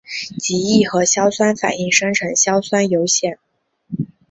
极易和硝酸反应生成硝酸铀酰。